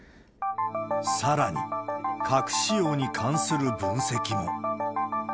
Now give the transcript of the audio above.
さらに、核使用に関する分析も。